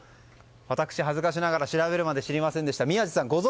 私、恥ずかしながら調べるまで知りませんでした。